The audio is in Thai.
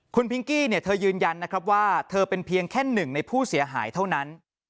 คุณพิงกี้เธอยืนยันนะครับว่าเธอเป็นเพียงแค่หนึ่งในผู้เสียหายเท่านั้น